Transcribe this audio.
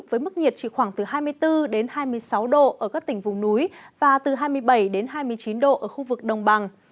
với mức nhiệt chỉ khoảng từ hai mươi bốn hai mươi sáu độ ở các tỉnh vùng núi và từ hai mươi bảy đến hai mươi chín độ ở khu vực đồng bằng